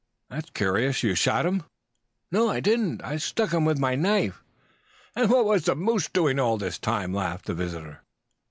"That's curious. You shot him?" "No, I didn't, I stuck him with my knife." "And what was the moose doing all this time?" laughed the visitor.